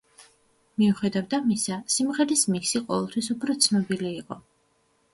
მიუხედავად ამისა, სიმღერის მიქსი ყოველთვის უფრო ცნობილი იყო.